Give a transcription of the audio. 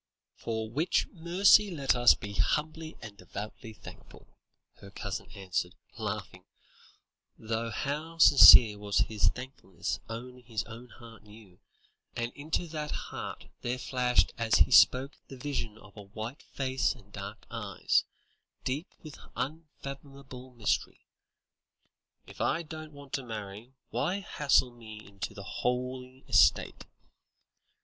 "For which mercy let us be humbly and devoutly thankful," her cousin answered, laughing, though how sincere was his thankfulness only his own heart knew, and into that heart there flashed as he spoke the vision of a white face and dark eyes, deep with unfathomable mystery; "if I don't want to marry, why hustle me into the holy estate?